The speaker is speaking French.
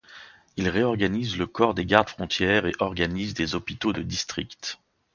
Il réorganise le corps des gardes frontières et organise des hôpitaux de district.